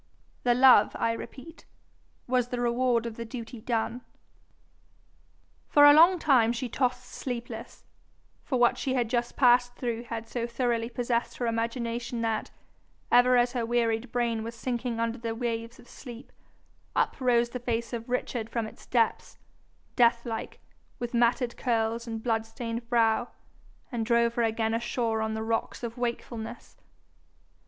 The love, I repeat, was the reward of the duty done. For a long time she tossed sleepless, for what she had just passed through had so thorougly possessed her imagination that, ever as her wearied brain was sinking under the waves of sleep, up rose the face of Richard from its depths, deathlike, with matted curls and bloodstained brow, and drove her again ashore on the rocks of wakefulness.